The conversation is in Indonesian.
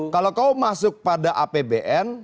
kalau kau masuk pada apbn